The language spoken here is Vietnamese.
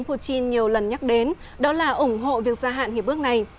tổng thống putin nhiều lần nhắc đến đó là ủng hộ việc gia hạn hiệp ước này